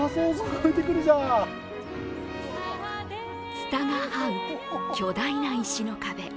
ツタがはう、巨大な石の壁。